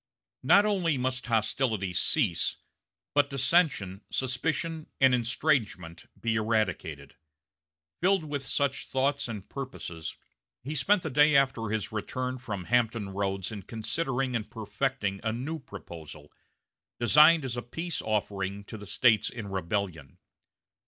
Not only must hostilities cease, but dissension, suspicion, and estrangement be eradicated. Filled with such thoughts and purposes, he spent the day after his return from Hampton Roads in considering and perfecting a new proposal, designed as a peace offering to the States in rebellion.